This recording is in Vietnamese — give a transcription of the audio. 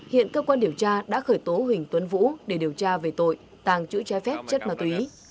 hiện cơ quan điều tra đã khởi tố huỳnh tuấn vũ để điều tra về tội tàng trữ trái phép chất ma túy